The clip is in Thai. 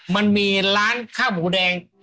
มันมีร้านข้าวหมูแดง